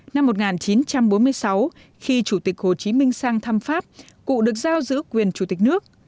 năm một nghìn chín trăm bốn mươi sáu khi chủ tịch hồ chí minh sang thăm pháp cụ được giao giữ quyền chủ tịch nước